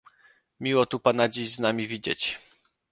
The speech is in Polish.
Miło tu Pana dziś z nami widzieć